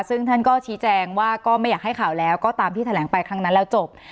ซึ่งท่านก็ชี้แจงว่าก็ไม่อยากให้ข่าวแล้วก็ตามที่แถลงไปครั้งนั้นแล้วจบ